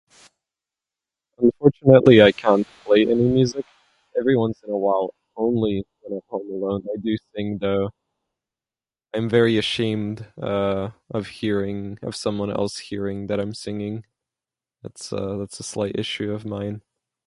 Unfortunately, I can't play any music. Every once in a while, only, um, I hum along. I do think, uh, I'm very ashamed, uh, of hearing, of someone else hearing that I'm singing. That's, uh, that's a slight issue of mine.